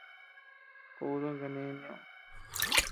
Kutum kane nioo.